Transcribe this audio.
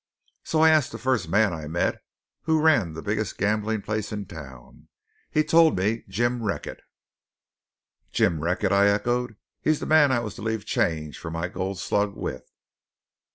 So I asked the first man I met who ran the biggest gambling place in town. He told me Jim Recket." "Jim Recket?" I echoed. "He's the man I was to leave change for my gold slug with."